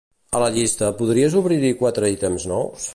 A la llista, podries obrir-hi quatre ítems nous?